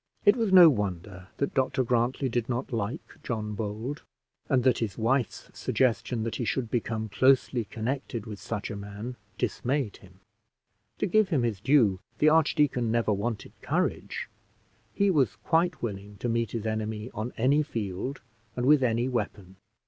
It was no wonder that Dr Grantly did not like John Bold, and that his wife's suggestion that he should become closely connected with such a man dismayed him. To give him his due, the archdeacon never wanted courage; he was quite willing to meet his enemy on any field and with any weapon.